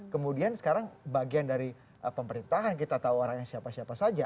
kemudian sekarang bagian dari pemerintahan kita tahu orangnya siapa siapa saja